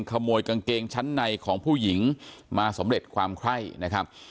ขโมยกางเกงชั้นในของผู้หญิงมาสำเร็จความไคร่นะครับ